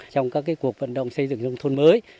trong các cuộc vận động xây dựng nông thôn mới